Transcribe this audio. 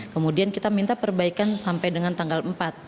kemudian kita minta perbaikan sampai dengan tanggal empat